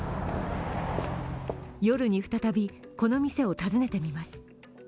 夜に再びこの店を訪ねてみます。